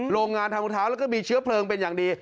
โรงงานทำรองเท้าแล้วก็มีเชื้อเพลิงเป็นอย่างดี